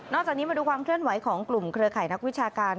จากนี้มาดูความเคลื่อนไหวของกลุ่มเครือข่ายนักวิชาการ